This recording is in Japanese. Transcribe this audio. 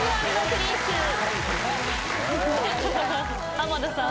濱田さん。